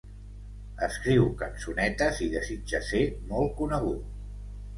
Escriu cançonetes i desitja ser molt conegut.